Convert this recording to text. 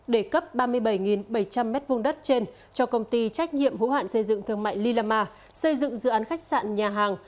để cấp ba mươi bảy bảy trăm linh m hai đất trên cho công ty trách nhiệm hữu hạn xây dựng thương mại lila ma xây dựng dự án khách sạn nhà hàng